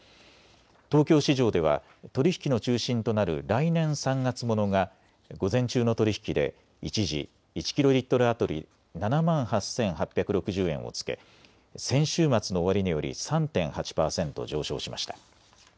東京市場では取り引きの中心となる来年３月ものが午前中の取り引きで一時１キロリットル当たり７万８８６０円をつけ先週末の終値より３．８％上昇しました。